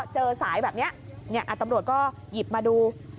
เจอสายแบบนี้ตำรวจก็หยิบมาดู